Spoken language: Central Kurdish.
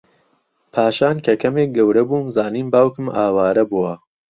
پاشان کە کەمێک گەورەبووم زانیم باوکم ئاوارە بووە